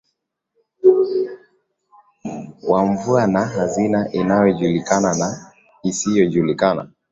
wa mvua na hazina inayojulikana na isiyojulikana